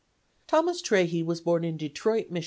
Thomas Trahey was born in Detroit, Mich.